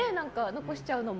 残しちゃうのも。